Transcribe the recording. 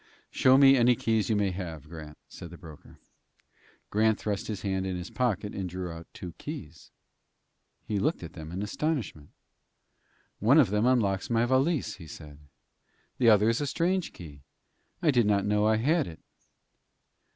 "Show me any keys you may have, Grant," said the broker. Grant thrust his hand in his pocket and drew out two keys. He looked at them in astonishment. "One of them unlocks my valise," he said. "The other is a strange key. I did not know I had it."